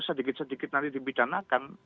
sedikit sedikit nanti dibidanakan